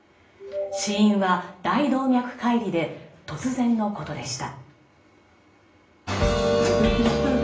死因は大動脈解離で突然のことでした。